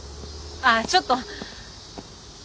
ああちょっと。